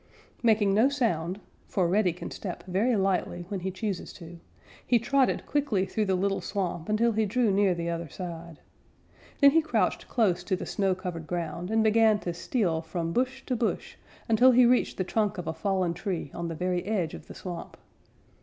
Making no sound, for Reddy can step very lightly when he chooses to, he trotted quickly through the little swamp until he drew near the other side. Then he crouched close to the snow covered ground and began to steal from bush to bush until he reached the trunk of a fallen tree on the very edge of the swamp.